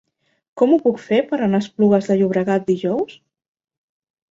Com ho puc fer per anar a Esplugues de Llobregat dijous?